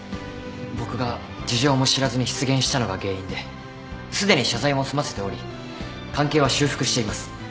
僕が事情も知らずに失言したのが原因ですでに謝罪を済ませており関係は修復しています。